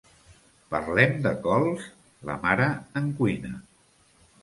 Parlem de cols?, la mare en cuina.